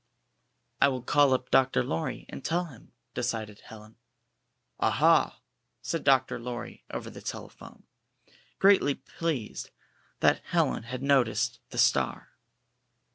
"I will call up Dr. Lorry and tell him," decided Helen. "Aha!" said Dr. Lorry over the telephone, greatly pleased that Helen had noticed the extra star.